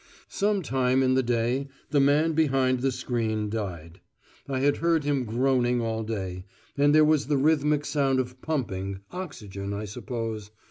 Some time in the day the man behind the screen died. I had heard him groaning all day; and there was the rhythmic sound of pumping oxygen, I suppose....